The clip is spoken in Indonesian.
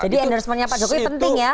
jadi endorsement nya pak jokowi penting ya